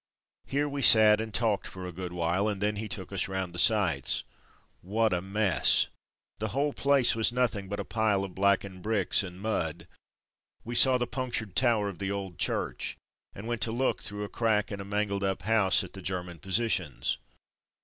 Here we sat and talked for a good while, and then he took us round the sights. What a mess! The whole place was nothing but a pile of blackened bricks and mud. We saw the punctured tower of the old church, and went to look through a crack in a mangled up house at the German positions.